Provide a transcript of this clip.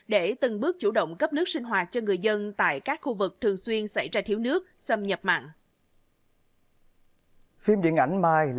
để từng bước chủ động cấp nước sinh hoạt cho người dân tại các khu vực thường xuyên xảy ra thiếu nước xâm nhập mặn